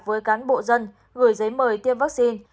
với cán bộ dân gửi giấy mời tiêm vaccine